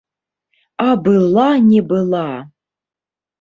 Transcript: А была не была!